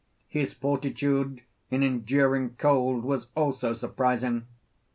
His fortitude in enduring cold was also surprising.